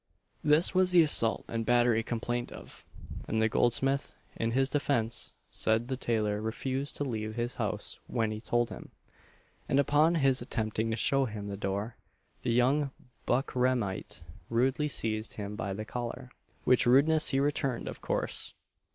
This was the assault and battery complained of; and the goldsmith, in his defence, said the tailor refused to leave his house when he told him, and upon his attempting to show him the door, the young buckramite rudely seized him by the collar; which rudeness he returned of course.